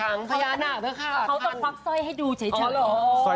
เขาต้องปลั๊กสอยให้ดูเฉย